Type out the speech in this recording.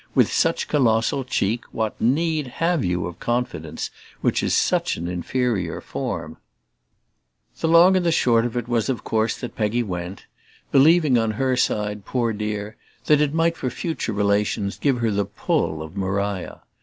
"With such colossal cheek what NEED have you of confidence, which is such an inferior form ?" The long and short was of course that Peggy went; believing on her side, poor dear, that it might for future relations give her the pull of Maria.